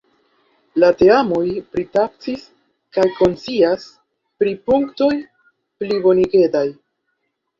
La teamoj pritaksis kaj konscias pri punktoj plibonigendaj.